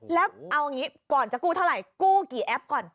แล้วเอาอย่างนี้ก่อนจะกู้เท่าไหร่กู้กี่แอปก่อน